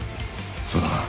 そうだな。